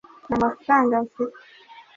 nta mafaranga mfite